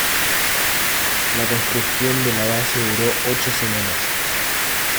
La construcción de la base duró ocho semanas.